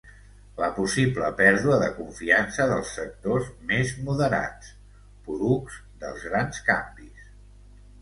La possible pèrdua de confiança dels sectors més moderats, porucs dels grans canvis.